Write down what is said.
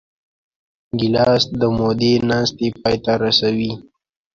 ګیلاس د مودې ناستې پای ته رسوي.